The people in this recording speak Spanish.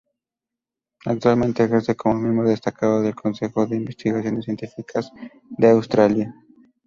Actualmente ejerce como miembro destacado del Consejo de Investigaciones Científicas de Australia.